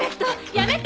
やめて！